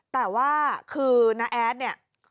แต่ว่าคือน้าแอดเนี่ย